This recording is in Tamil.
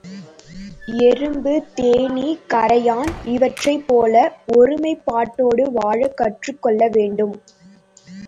எறும்பு, தேனீ, கறையான் இவற்றைப் போல ஒருமைப்பாட்டோடு வாழக் கற்றுக்கொள்ள வேண்டும்.